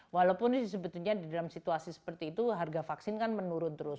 walaupun sebetulnya di dalam situasi seperti itu harga vaksin kan menurun terus